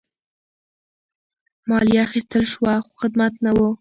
مالیه اخیستل شوه خو خدمت نه وو.